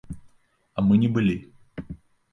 А мы не былі.